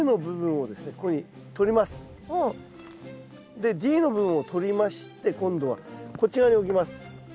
でＤの部分を取りまして今度はこっち側に置きます。